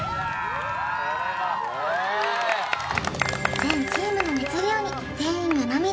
全チームの熱量に全員が涙。